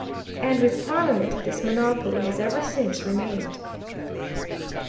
And with Parliament this monopoly has ever since remained.